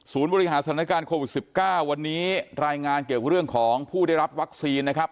บริหารสถานการณ์โควิด๑๙วันนี้รายงานเกี่ยวกับเรื่องของผู้ได้รับวัคซีนนะครับ